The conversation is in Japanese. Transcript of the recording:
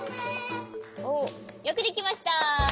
よくできました！